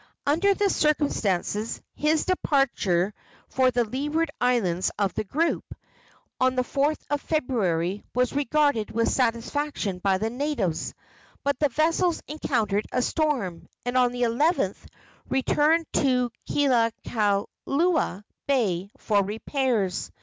Under the circumstances, his departure for the leeward islands of the group, on the 4th of February, was regarded with satisfaction by the natives; but the vessels encountered a storm, and on the 11th returned to Kealakeakua Bay for repairs.